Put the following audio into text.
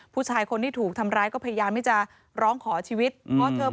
ผู้ชายคนที่ถูกทำร้ายก็พยายามให้จะร้องขอชีวิตอืม